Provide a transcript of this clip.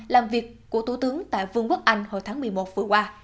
làm việc của thủ tướng tại vương quốc anh hồi tháng một mươi một vừa qua